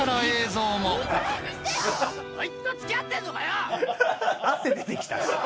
こいつと付き合ってんのかよ！